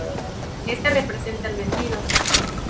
Esta representa al vencido.